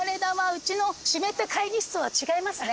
うちの湿った会議室とは違いますね。